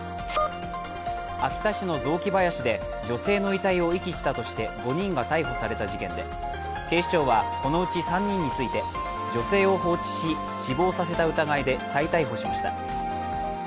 秋田市の雑木林で女性の遺体を遺棄したとして５人が逮捕された事件で、警視庁はこのうち３人について女性を放置し、死亡させた疑いで再逮捕しました。